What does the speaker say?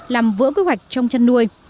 làm vỡ quy hoạch trong chăn nuôi